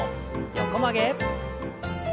横曲げ。